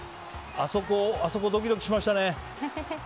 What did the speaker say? あそこ、ドキドキしましたね。